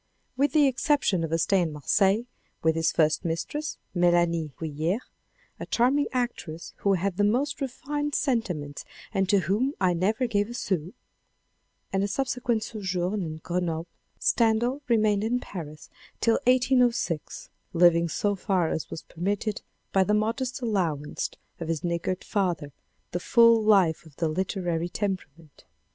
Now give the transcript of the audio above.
With the exception of a stay in Marseilles, with his first mistress Melanie Guilhert (" a charming actress who had the most refined sentiments and to whom I never gave a sou,") and a subsequent sojourn in Grenoble, Stendhal remained in Paris till 1806, living so far as was permitted by the modest allowance of his niggard father the full life of the literary temperament.